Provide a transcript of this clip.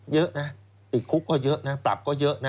เยอะนะติดคุกก็เยอะนะปรับก็เยอะนะ